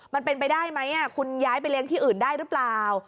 มันเป็นไปได้ไหมคุณย้ายไปเลี้ยงที่อื่นได้หรือเปล่า